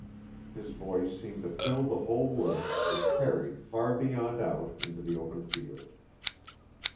His voice seemed to fill the whole wood and carried far beyond out into the open field.